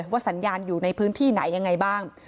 สัญญาณอยู่ในพื้นที่ไหนยังไงบ้าง